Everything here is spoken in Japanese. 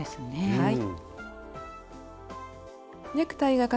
はい。